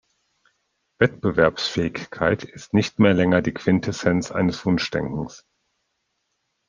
Wettbewerbsfähigkeit ist nicht mehr länger die Quintessenz eines Wunschdenkens.